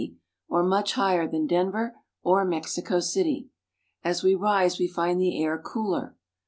i, or much higher than Denver or Mexico city. As we rise we find the air cooler.